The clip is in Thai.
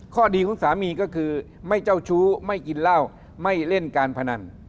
ข้อดีของสามีก็คือไม่เจ้าชู้ไม่กินเหล้าไม่เล่นการพนัน